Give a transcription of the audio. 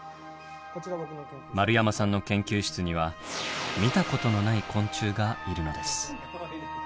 丸山さんの研究室には見たことのない昆虫がいるのです。